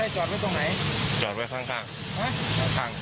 จอดไว้ข้าง